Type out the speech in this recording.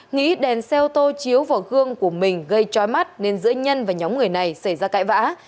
nghĩ đèn xe ô tô chiếu vào gương của mình gây trói mắt nên giữa nhân và nhóm người này xảy ra cãi vã